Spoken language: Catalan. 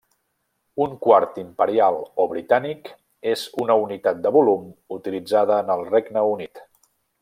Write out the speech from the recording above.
Un quart imperial o britànic és una unitat de volum utilitzada en el Regne Unit.